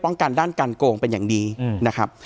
กันด้านการโกงเป็นอย่างดีนะครับ